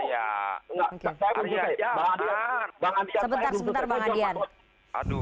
sebentar sebentar bang adian